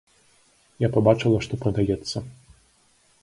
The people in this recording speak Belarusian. Я пабачыла, што прадаецца.